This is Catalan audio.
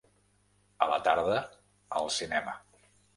A la tarda, al cinema.